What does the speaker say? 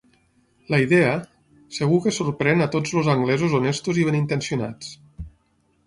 La idea... segur que sorprèn a tots els anglesos honestos i benintencionats.